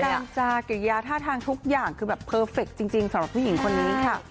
การพูดกันจากเกียรติธรรมทางทุกอย่างคือแบบจริงจริงสำหรับผู้หญิงคนนี้ค่ะ